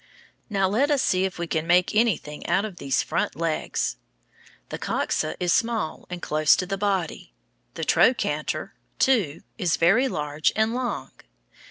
Now, let us see if we can make anything out of these front legs. The coxa is small and close to the body. The trochanter, II, is very large and long.